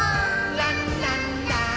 ランランラー。